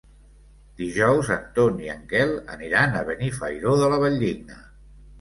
Dijous en Ton i en Quel aniran a Benifairó de la Valldigna.